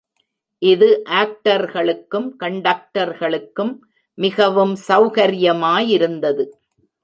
இது ஆக்டர்களுக்கும் கண்டக்டர்களுக்கும் மிகவும் சௌகர்யமாயிருந்தது.